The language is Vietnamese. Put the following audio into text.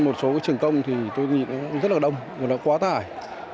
một số trường công thì tôi nghĩ nó rất là đông nó quá tải